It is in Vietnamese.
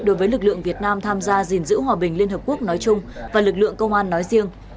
đối với lực lượng việt nam tham gia gìn giữ hòa bình liên hợp quốc nói chung và lực lượng công an nói riêng